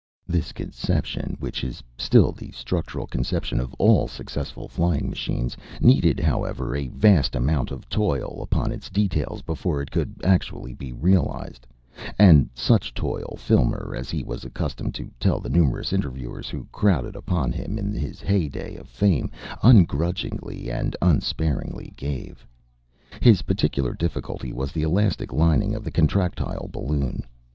This conception, which is still the structural conception of all successful flying machines, needed, however, a vast amount of toil upon its details before it could actually be realised, and such toil Filmer as he was accustomed to tell the numerous interviewers who crowded upon him in the heyday of his fame "ungrudgingly and unsparingly gave." His particular difficulty was the elastic lining of the contractile balloon.